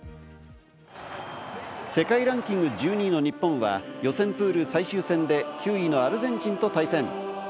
世界ランキング１２位の日本は、予選プール最終戦で９位のアルゼンチンと対戦。